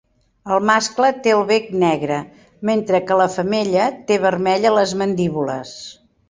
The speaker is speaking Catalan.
El mascle té el bec negre, mentre que la femella té vermell a les mandíbules.